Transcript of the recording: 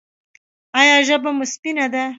ایا ژبه مو سپینه ده؟